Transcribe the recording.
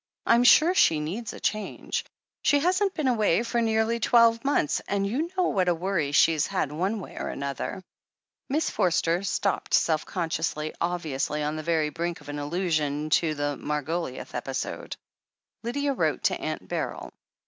Tm sure she needs a change; she hasn't been away for nearly twelve months, and you know what a worry she's had, one way and another " Miss Forster stopped self consciously, obviously on the very brink of an allusion to the Margoliouth epi sode. Lydia wrote to Aunt Beryl.